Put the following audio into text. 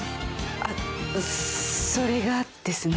あっそれがですね。